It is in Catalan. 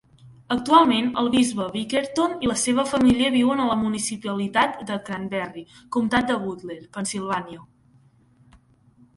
Actualment, el bisbe Bickerton i la seva família viuen a la municipalitat de Cranberry, comtat de Butler, Pennsilvània.